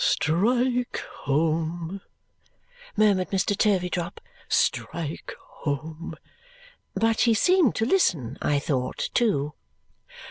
"Strike home," murmured Mr. Turveydrop. "Strike home!" But he seemed to listen, I thought, too.